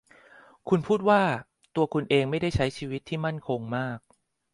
คุณพูดว่าตัวคุณเองไม่ได้ใช้ชีวิตที่มั่นคงมาก